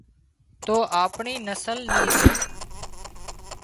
تو اپڻي نسل نين ري